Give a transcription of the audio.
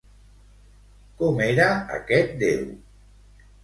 Com era aquest déu?